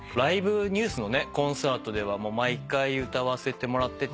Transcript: ＮＥＷＳのコンサートでは毎回歌わせてもらってて。